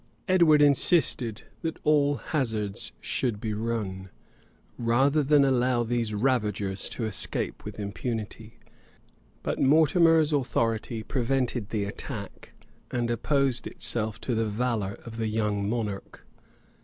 Edward insisted that all hazards should be run, rather than allow these ravagers to escape with impunity; but Mortimer's authority prevented the attack, and opposed itself to the valor of the young monarch.